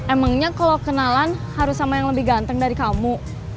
emangnya kalau kenalan harus sama yang lebih ganteng dari kamu